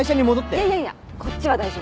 いやいやいやこっちは大丈夫。